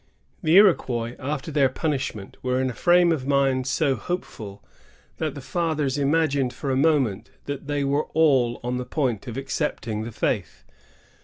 The Iroquois, after their punishment, were in a frame of mind so hopeful that the &thers imagined for a moment that they were all on the point of accepting the faith.